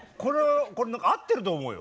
これ合ってると思うよ。